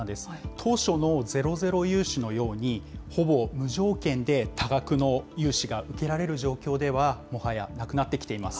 当初のゼロゼロ融資のように、ほぼ無条件で多額の融資が受けられる状況では、もはやなくなってきています。